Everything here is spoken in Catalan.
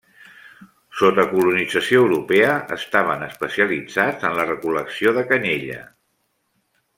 Sota colonització europea estaven especialitzats en la recol·lecció de canyella.